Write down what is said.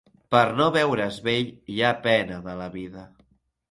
Per no veure's vell, hi ha pena de la vida.